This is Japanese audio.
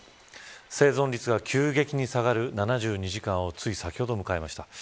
生存率が急激に下がる７２時間をつい先ほど迎えました。